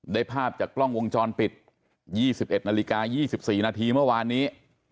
ภาพจากกล้องวงจรปิด๒๑นาฬิกา๒๔นาทีเมื่อวานนี้